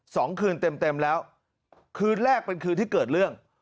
สองคืนเต็มเต็มแล้วคืนแรกเป็นคืนที่เกิดเรื่อง